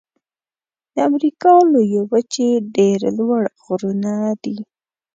د امریکا لویې وچې ډېر لوړ غرونه دي.